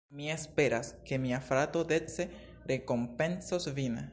Mi esperas, ke mia frato dece rekompencos vin.